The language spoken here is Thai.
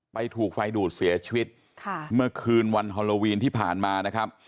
ถูกไฟดูดเสียชีวิตค่ะเมื่อคืนวันฮอลโลวีนที่ผ่านมานะครับ